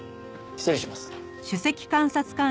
失礼します。